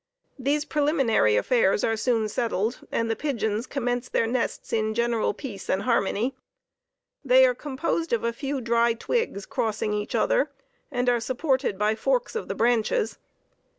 These preliminary affairs are soon settled, and the pigeons commence their nests in general peace and harmony. They are composed of a few dry twigs, crossing each other, and are supported by forks of the branches.